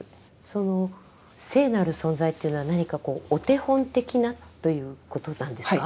その聖なる存在というのは何かこうお手本的なということなんですか？